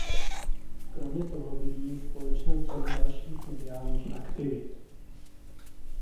Kromě toho vyvíjí společnost řadu dalších mediálních aktivit.